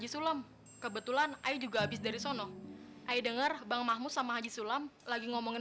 sampai jumpa di video selanjutnya